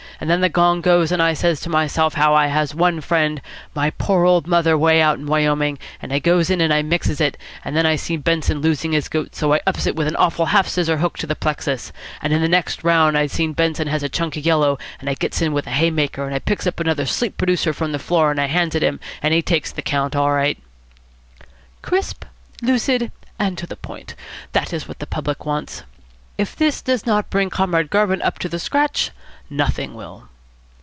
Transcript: And then the gong goes, and I says to myself how I has one friend, my poor old mother way out in Wyoming, and I goes in and mixes it, and then I seen Benson losing his goat, so I ups with an awful half scissor hook to the plexus, and in the next round I seen Benson has a chunk of yellow, and I gets in with a hay maker and I picks up another sleep producer from the floor and hands it him, and he takes the count all right.' .. Crisp, lucid, and to the point. That is what the public wants. If this does not bring Comrade Garvin up to the scratch, nothing will."